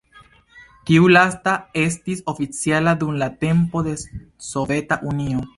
Tiu lasta estis oficiala dum la tempo de Soveta Unio.